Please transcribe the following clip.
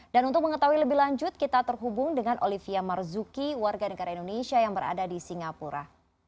dan untuk mengetahui lebih lanjut kita terhubung dengan olivia marzuki warga negara indonesia yang berada di singapura